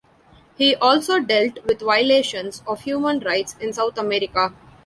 He also dealt with violations of human rights in South America.